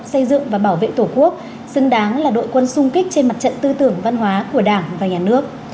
xây dựng và bảo vệ tổ quốc xứng đáng là đội quân sung kích trên mặt trận tư tưởng văn hóa của đảng và nhà nước